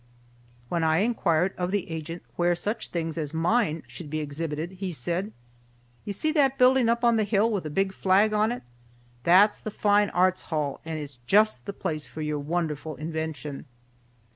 When I inquired of the agent where such things as mine should be exhibited, he said, "You see that building up on the hill with a big flag on it? That's the Fine Arts Hall, and it's just the place for your wonderful invention."